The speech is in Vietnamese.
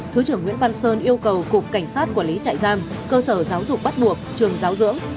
thứ trưởng nguyễn văn sơn yêu cầu cục cảnh sát quản lý trại giam cơ sở giáo dục bắt buộc trường giáo dưỡng